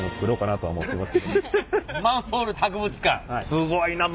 すごいな。